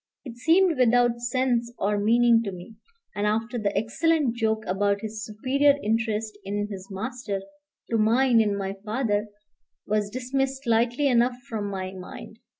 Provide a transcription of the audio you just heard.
It seemed without sense or meaning to me; and after the excellent joke about his superior interest in his master to mine in my father, was dismissed lightly enough from my mind.